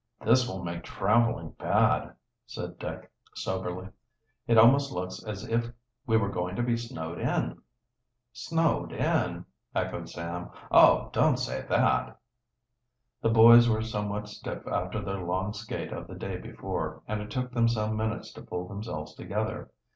"This will make traveling bad," said Dick soberly. "It almost looks as if we were going to be snowed in." "Snowed in?" echoed Sam. "Oh, don't say that!" The boys were somewhat stiff after their long skate of the day before, and it took them some minutes to pull themselves together.